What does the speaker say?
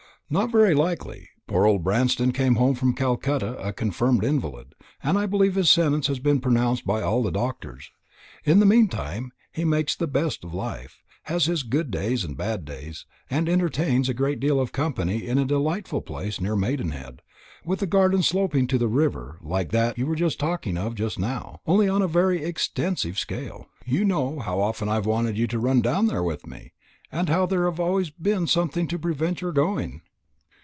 "Not very likely. Poor old Branston came home from Calcutta a confirmed invalid, and I believe his sentence has been pronounced by all the doctors. In the mean time he makes the best of life, has his good days and bad days, and entertains a great deal of company at a delightful place near Maidenhead with a garden sloping to the river like that you were talking of just now, only on a very extensive scale. You know how often I have wanted you to run down there with me, and how there has been always something to prevent your going."